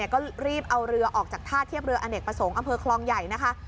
ก็รีบเอาเรือออกจากท่าเทียบเรืออเนกประสงค์อำเภอคลองใหญ่นะคะ